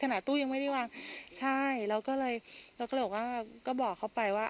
ตู้ยังไม่ได้วางใช่เราก็เลยเราก็เลยบอกว่าก็บอกเขาไปว่า